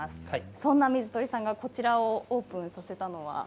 そんな水鳥さんがこちらをオープンさせたのは？